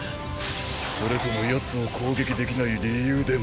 それともヤツを攻撃できない理由でも？